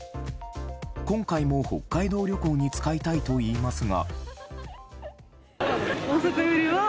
今回も北海道旅行に使いたいといいますが。